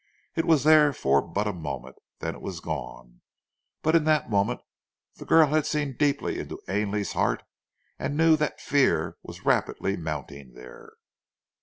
It was there for but a moment, then it was gone, but in that moment the girl had seen deeply into Ainley's heart, and knew that fear was rapidly mounting there.